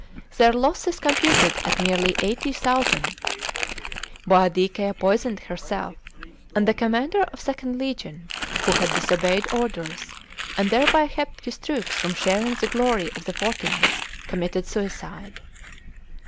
Their loss is computed at nearly 80,000. Boadicea poisoned herself, and the commander of legion II., who had disobeyed orders, and thereby kept his troops from sharing the glory of the XIV th, committed suicide.